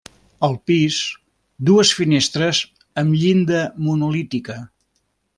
Al pis, dues finestres amb llinda monolítica.